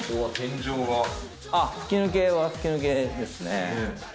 吹き抜けは吹き抜けですね。